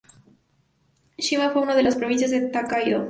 Shima fue una de las provincias de Tōkaidō.